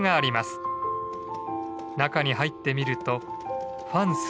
中に入ってみるとファン垂